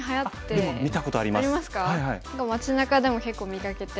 町なかでも結構見かけて。